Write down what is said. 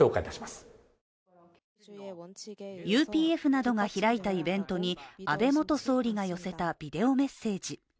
ＵＰＦなどが開いたイベントなどに安倍元総理が寄せたビデオメッセージ。